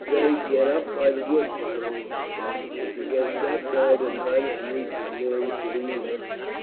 "They get up by the wood pile," the woman said. "It is against that side of the hut, and reaches nearly up to the eaves."